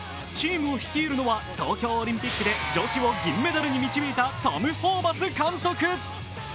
チームを率いるのは東京オリンピックで女子を銀メダルに導いたトム・ホーバス監督。